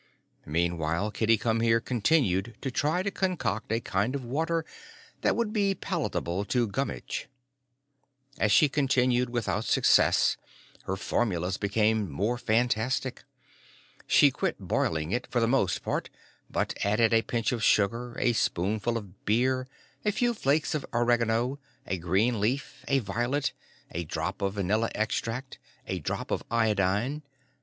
Meanwhile Kitty Come Here continued to try to concoct a kind of water that would be palatable to Gummitch. As she continued without success, her formulas became more fantastic. She quit boiling it for the most part but added a pinch of sugar, a spoonful of beer, a few flakes of oregano, a green leaf, a violet, a drop of vanilla extract, a drop of iodine....